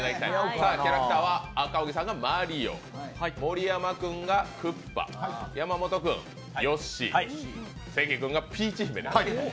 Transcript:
さあ、キャラクターは赤荻さんがマリオ、盛山君がクッパ、山本君、ヨッシー、関君がピーチ姫。